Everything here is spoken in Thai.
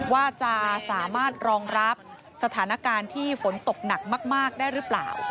ว่าจะสามารถรองรับสถานการณ์ที่ฝนตกหนักมากได้หรือเปล่า